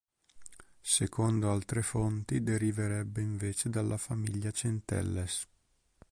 Secondo altre fonti deriverebbe invece dalla famiglia Centelles.